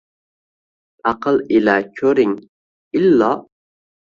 Аql ila koʼring, illo.